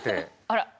あら。